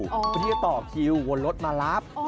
เพื่อที่จะต่อคิววนรถมารับ